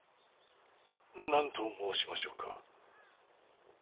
何と申しましょうか。